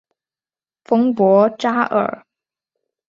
丰博扎尔。